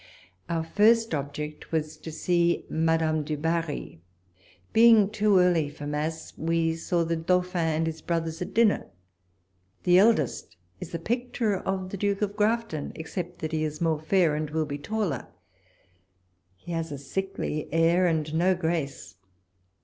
Our first object was to see Madame du Barri. Being too early for mass, we saw the Dauphin and his brothers at dinner. The eldest is the picture of the Duke of Grafton, except that he is more fair, and will be taller. He has a sickly air, and no grace.